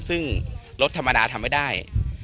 ซึ่งรถธรรมดาทำไม่ได้